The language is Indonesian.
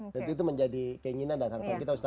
dan itu menjadi keinginan dan harapan kita ustadz ya